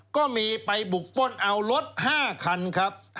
ก็มีไปบุกป้นเอารถ๕คันครับ